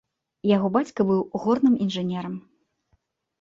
Яго бацька быў горным інжынерам.